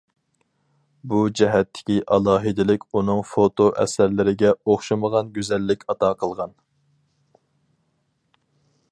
بۇ جەھەتتىكى ئالاھىدىلىك ئۇنىڭ فوتو ئەسەرلىرىگە ئوخشىمىغان گۈزەللىك ئاتا قىلغان.